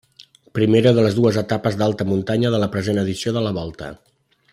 Primera de les dues etapes d'alta muntanya de la present edició de la Volta.